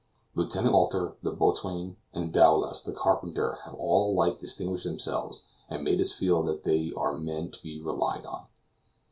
Lieutenant Walter, the boatswain, and Dowlas the carpenter have all alike distinguished themselves, and made us feel that they are men to be relied on.